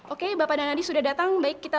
oke bapak dan adi sudah datang baik kita